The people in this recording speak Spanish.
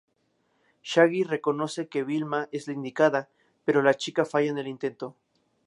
Shaggy reconoce que Vilma es la indicada, pero la chica falla en el intento.